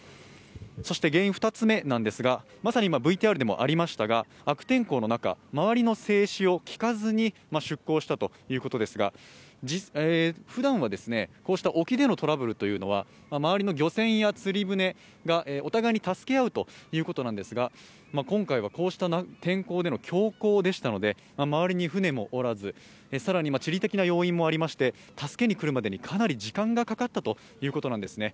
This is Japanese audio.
そして原因２つ目なんですが、まさにＶＴＲにもありましたが悪天候の中、周りの制止を聞かずに出港したということですがふだんはこうした沖でのトラブルというのは周りの漁船や釣船がお互いに助け合うということなんですが今回はこうした天候での航行でしたので周りに船もおらず、更に地理的な要因もありまして助けに来るまでかなり時間がかかったということなんですね。